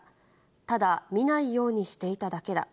ただ見ないようにしていただけだ。